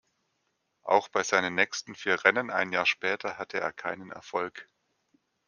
Auch bei seinen nächsten vier Rennen ein Jahr später hatte er keinen Erfolg.